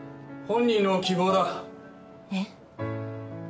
本人の希望だ。え？